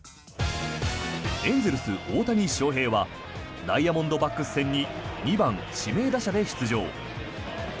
エンゼルス、大谷翔平はダイヤモンドバックス戦に２番指名打者で出場。